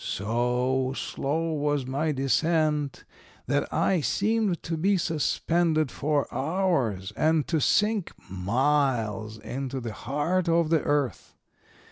So slow was my descent that I seemed to be suspended for hours and to sink miles into the heart of the earth.